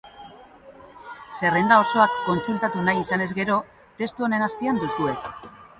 Zerrenda osoa kontsultatu nahi izanez gero, testu honen azpian duzue.